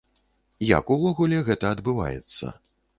Як увогуле гэта адбываецца?